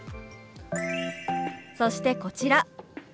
そしてこちら。